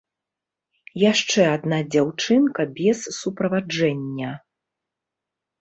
Яшчэ адна дзяўчынка без суправаджэння.